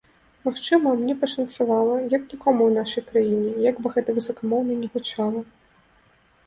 Магчыма, мне пашанцавала, як нікому ў нашай краіне, як бы гэта высакамоўна не гучала.